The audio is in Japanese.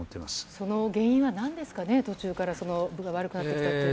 その原因はなんですかね、途中から分が悪くなってきたというのは。